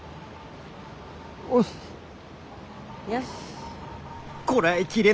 よし。